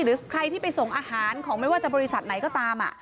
หรือใครที่ไปส่งอาหารของไม่ว่าจะบริษัทไหนก็ตาม